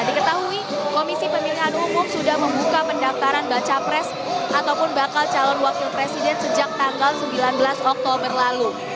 diketahui komisi pemilihan umum sudah membuka pendaftaran baca pres ataupun bakal calon wakil presiden sejak tanggal sembilan belas oktober lalu